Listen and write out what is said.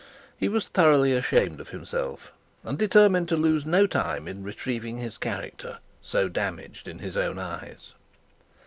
He was thoroughly ashamed of himself, and determined to lose no time in retrieving his character, so damaged in his own eyes.